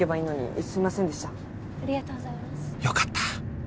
よかった！